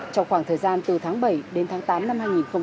trong khoảng thời gian từ tháng bảy đến tháng tám năm hai nghìn một mươi chín